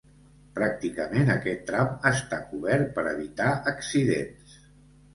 Pràcticament aquest tram està cobert per evitar accidents.